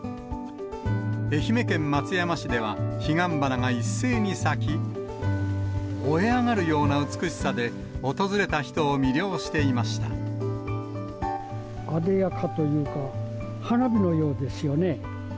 愛媛県松山市では、彼岸花が一斉に咲き、燃え上がるような美しさで、あでやかというか、花火のようですよね。